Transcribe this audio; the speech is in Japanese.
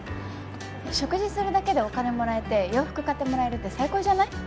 食事するだけでお金もらえて洋服買ってもらえるって最高じゃない？